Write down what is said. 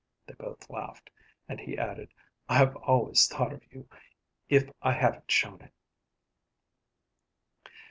They both laughed, and he added, "I've always thought of you, if I haven't shown it."